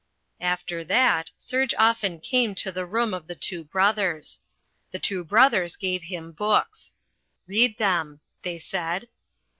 After that Serge often came to the room of the two brothers. The two brothers gave him books. "Read them," they said.